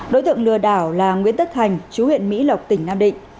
đối tượng lừa đảo là nguyễn tất thành chú huyện mỹ lộc tỉnh nam định